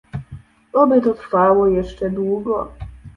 Oby to trwało jeszcze długo